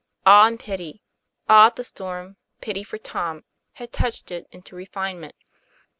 Awe and pity awe at the storm, pity for Tom had touched it into refinement.